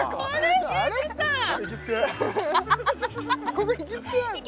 ここ行きつけなんですか？